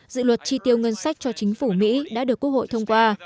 dự luật tri tiêu ngân sách cho chính phủ mỹ đã được quốc hội thông qua